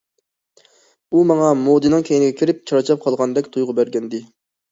ئۇ ماڭا مودىنىڭ كەينىگە كىرىپ چارچاپ قالغاندەك تۇيغۇ بەرگەنىدى.